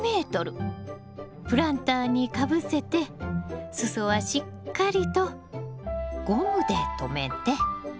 プランターにかぶせて裾はしっかりとゴムで留めて。